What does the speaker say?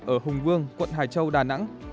ở hùng vương quận hải châu đà nẵng